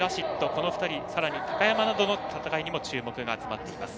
この２人、さらに高山などの戦いにも注目が集まっています。